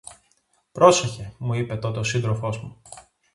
Πρόσεχε, μου είπε τότε ο σύντροφος μου